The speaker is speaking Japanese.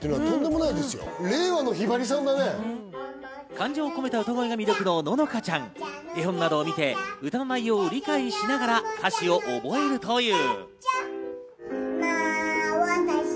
感情を込めた歌声が魅力の乃々佳ちゃん、絵本などを見て歌の内容を理解しながら、歌詞を覚えるという。